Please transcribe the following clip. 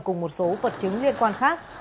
cùng một số vật chứng liên quan khác